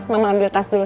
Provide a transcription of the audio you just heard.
mama ambil tas dulu